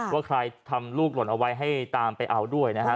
ว่าใครทำลูกหล่นเอาไว้ให้ตามไปเอาด้วยนะฮะ